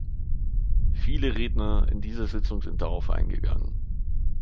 Viele Redner in dieser Sitzung sind darauf eingegangen.